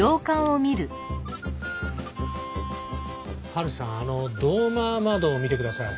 ハルさんあのドーマー窓を見てください。